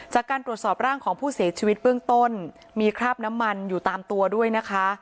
จากการตรวจสอบร่างของผู้เสียชีวิตเบื้องต้นมีคราบน้ำมันอยู่ตามตัวด้วยนะคะ